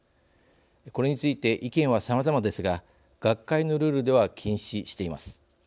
これについて意見はさまざまですが学会のルールでは禁止しています。